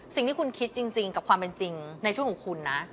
สิ่งที่คุณคิดจริงกับความเป็นจริงในช่วงของคุณนะ